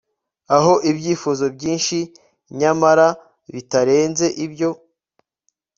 aho ibyifuzo byinshi nyamara bitarenze ibyo